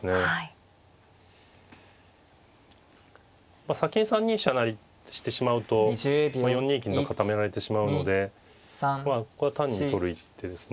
まあ先に３二飛車成してしまうと４二金が固められてしまうのでまあこれは単に取る一手ですね。